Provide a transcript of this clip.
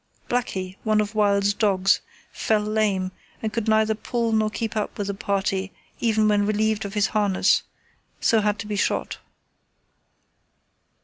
Blackie, one of Wild's dogs, fell lame and could neither pull nor keep up with the party even when relieved of his harness, so had to be shot.